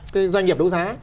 cái doanh nghiệp đấu giá